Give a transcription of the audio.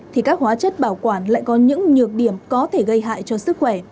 thì các hóa chất bảo quản lại có những nhược điểm có thể gây hại cho sức khỏe